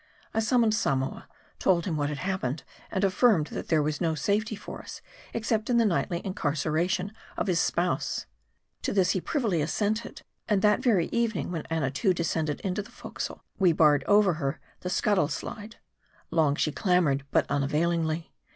I summoned Samoa, told him what had happened, and affirmed that there was no safety for us except in the nightly incarceration of his spouse. To this he privily assented ; and that very evening, when Annatoo descended into the forecastle, we barred over her the scuttle slide. Long she clamored, but unavailingly.